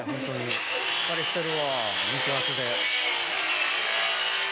しっかりしてるわ肉厚で。